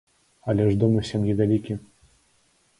Але ж дом у сям'і вялікі.